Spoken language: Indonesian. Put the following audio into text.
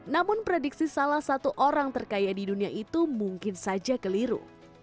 namun prediksi salah satu orang terkaya di dunia itu mungkin saja keliru